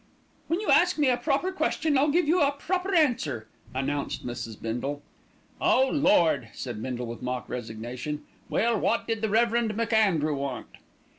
"When you ask me a proper question, I'll give you a proper answer," announced Mrs. Bindle. "Oh, Lord!" said Bindle with mock resignation. "Well, wot did the Reverend MacAndrew want?"